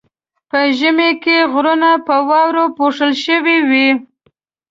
په ژمي کې غرونه په واورو پوښل شوي وي.